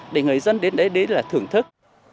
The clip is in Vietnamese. để người dân đến đấy là thưởng thức